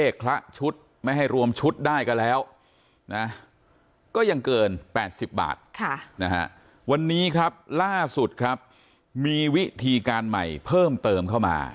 วันนี้ครับล่าสุดครับมีวิธีการใหม่เพิ่มเติมเข้ามา